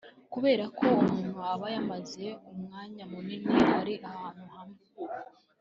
kubera ko umuntu aba yamaze umwanya munini ari ahantu hamwe